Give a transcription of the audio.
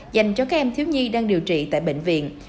dành cho các em thiếu nhi đang điều trị tại bệnh viện